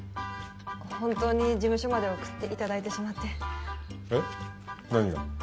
本当に事務所まで送っていただいてしまってえっ何が？